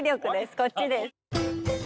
こっちです。